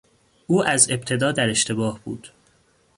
او از ابتدا در اشتباه بود.